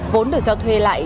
vốn được cho thuê lại